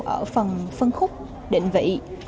ở phần phân khúc định vị